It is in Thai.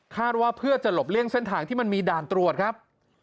ว่าเพื่อจะหลบเลี่ยงเส้นทางที่มันมีด่านตรวจครับ